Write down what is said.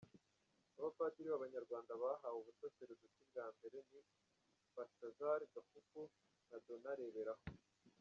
Abapadiri b’Abanyarwanda bahawe ubusaseridoti bwa mbere ni Barthasar Gafuku na Donat Reberaho.